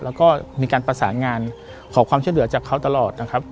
แล้วก็มีการประสานงานขอความช่วยเหลือจากเขาตลอดนะครับ